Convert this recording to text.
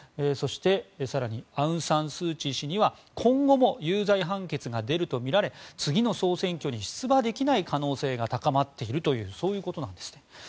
そして、更にアウン・サン・スー・チー氏には今後も有罪判決が出るとみられ次の総選挙に出馬できない可能性が高まっているということなんですね。